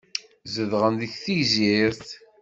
Zedɣen deg Tegzirt?